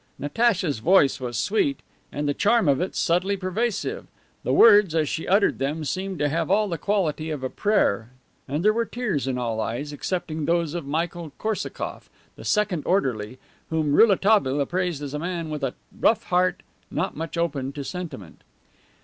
Natacha's voice was sweet, and the charm of it subtly pervasive. The words as she uttered them seemed to have all the quality of a prayer and there were tears in all eyes, excepting those of Michael Korsakoff, the second orderly, whom Rouletabille appraised as a man with a rough heart not much open to sentiment.